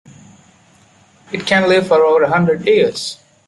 It can live for over a hundred years.